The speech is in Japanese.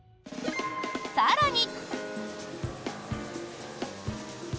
更に。